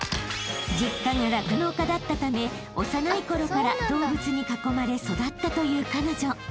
［実家が酪農家だったため幼い頃から動物に囲まれ育ったという彼女］